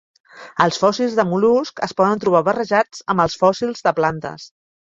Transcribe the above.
Els fòssils de mol·luscs es poden trobar barrejats amb els fòssils de plantes.